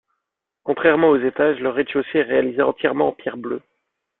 Contrairement aux étages, le rez-de-chaussée est réalisé entièrement en pierre bleue.